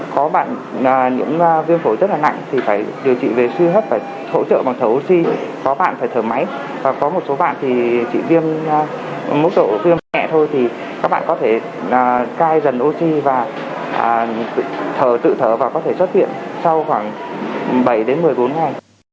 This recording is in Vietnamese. có bạn những viêm phổi rất là nặng thì phải điều trị về suy hô hấp phải hỗ trợ bằng thở oxy có bạn phải thở máy và có một số bạn thì chỉ viêm mốc độ viêm nhẹ thôi thì các bạn có thể cai dần oxy và thở tự thở và có thể xuất hiện sau khoảng bảy đến một mươi bốn ngày